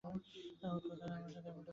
অহ খোদা, আমার সাথে এমনটা করো না!